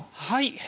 はい。